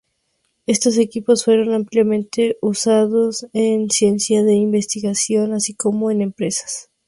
Estos equipos fueron ampliamente usados en ciencia e investigación, así como en empresas.